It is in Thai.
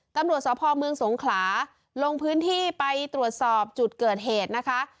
ตำรวจสพเมืองสงขลาลงพื้นที่ไปตรวจสอบจุดเกิดเหตุนะคะ